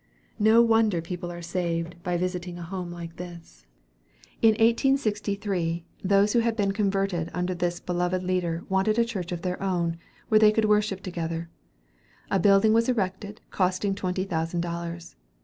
No wonder people are saved from sin by visiting a home like this! In 1863, those who had been converted under this beloved leader wanted a church of their own where they could worship together. A building was erected, costing twenty thousand dollars.